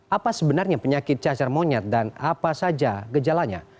apa sebenarnya penyakit cacar monyet dan apa saja gejalanya